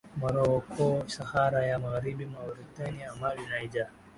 Moroko Sahara ya Magharibi Mauretania Mali Niger